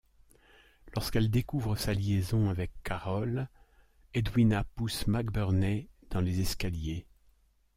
Lorsqu'elle découvre sa liaison avec Carol, Edwina pousse McBurney dans les escaliers.